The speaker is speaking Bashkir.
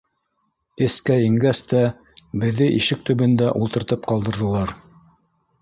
Эскә ингәс тә беҙҙе ишек төбөндә ултыртып ҡалдырҙылар.